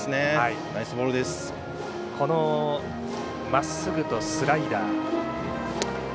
まっすぐとスライダー。